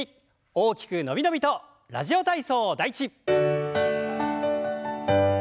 大きく伸び伸びと「ラジオ体操第１」。